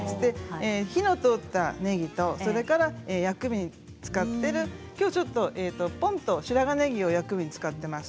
火の通ったねぎとそれから薬味に使っているきょうは、ちょっと、ぽんと白髪ねぎを薬味に使っています。